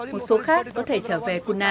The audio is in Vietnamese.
một số khác có thể trở về kuna